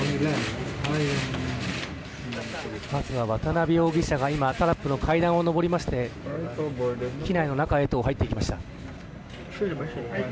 渡辺容疑者が今タラップの階段を上りまして機内の中へと入っていきました。